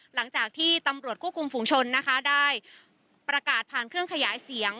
หลังจากที่ตำรวจควบคุมฝุงชนนะคะได้ประกาศผ่านเครื่องขยายเสียง